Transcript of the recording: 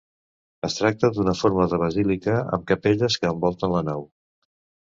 Es tracta d'una forma de basílica amb capelles que envolten la nau.